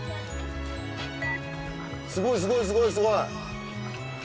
すごいすごいすごいすごい。